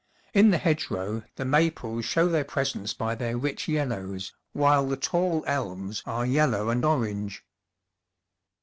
In the hedgerow the maples show their presence by their rich yellows, while the tall elms are yellow and orange.